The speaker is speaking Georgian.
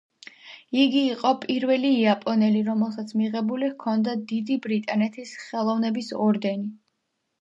იგი იყო პირველი იაპონელი, რომელსაც მიღებული ჰქონდა დიდი ბრიტანეთის ხელოვნების ორდენი.